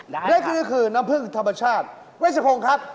เลขนี้คือน้ำพรึงธรรมชาติแวชโชครมครับ